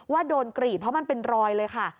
ว่าโดนกรีดเพราะมันเป็นรอยเลยค่ะ